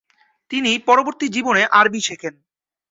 তিনি পরবর্তী জীবনে আরবি শেখেন।